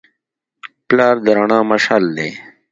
پلار د رڼا مشعل دی.